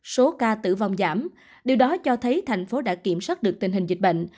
số ca tử vong giảm điều đó cho thấy thành phố đã kiểm soát được tình hình dịch bệnh